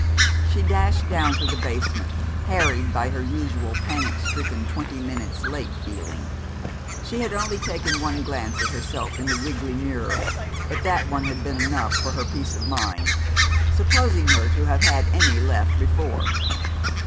She dashed down to the basement, harried by her usual panic stricken twenty minutes late feeling. She had only taken one glance at herself in the wiggly mirror, but that one had been enough for her peace of mind, supposing her to have had any left before.